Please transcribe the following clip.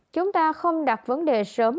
chúng ta không đặt vấn đề sớm